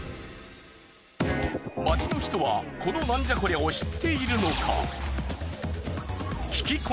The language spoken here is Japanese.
街の人はこのナンじゃこりゃ！？を知っているのか。